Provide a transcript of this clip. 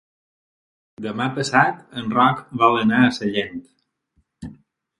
Demà passat en Roc vol anar a Sellent.